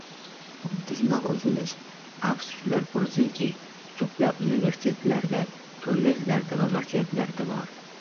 Xuddi shunaqa uzilish, afsuslar bo‘lsinki, ko‘plab universitetlarda, kollejlarda va maktablarda bor